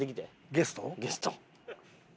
ゲスト。